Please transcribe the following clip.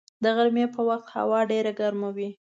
د غرمې په وخت هوا ډېره ګرمه وي